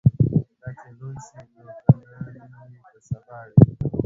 دا چي لوی سي نو که نن وي که سبا وي